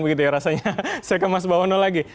begitu ya rasanya saya ke mas bawono lagi